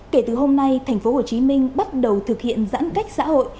kể từ hôm nay tp hcm bắt đầu thực hiện giãn cách xã hội